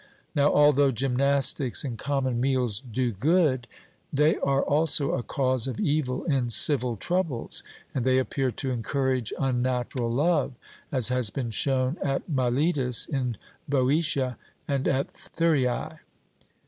Now although gymnastics and common meals do good, they are also a cause of evil in civil troubles, and they appear to encourage unnatural love, as has been shown at Miletus, in Boeotia, and at Thurii.